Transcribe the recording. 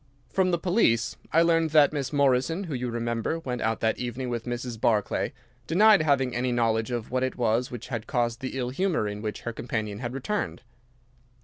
"From the police I learned that Miss Morrison, who you remember went out that evening with Mrs. Barclay, denied having any knowledge of what it was which had caused the ill humour in which her companion had returned.